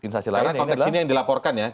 karena konteks ini yang dilaporkan ya